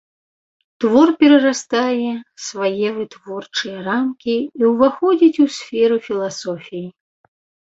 Твор перарастае свае вытворчыя рамкі і ўваходзіць у сферу філасофіі.